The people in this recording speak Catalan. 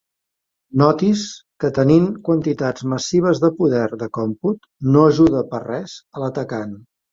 Noti's que tenint quantitats massives de poder de còmput no ajuda per res a l'atacant.